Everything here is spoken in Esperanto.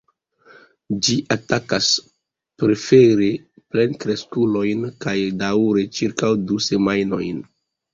Ĝi atakas prefere plenkreskulojn kaj daŭras ĉirkaŭ du semajnojn.